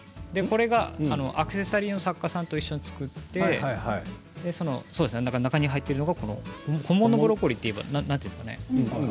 アクセサリーの作家さんと一緒に作って中に入っているのが本物のブロッコリーなんというんですかね